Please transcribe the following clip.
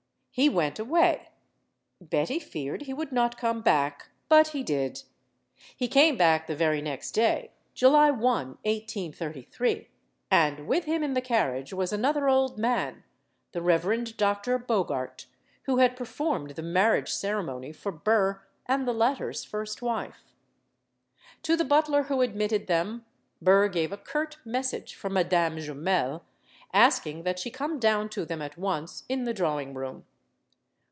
He went away. Betty feared he would not come back. But he did. He came back the very next day July 1, 1833. And with him in the carriage was another old man the Reverend Doctor Bogart, who had per formed the marriage ceremony for Burr and the latter's first wife. To the butler who admitted them, Burr gave a curt message for Madame Jumel, asking that she come down to them at once in the drawing room.